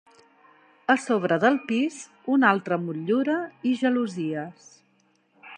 A sobre del pis una altra motllura i gelosies.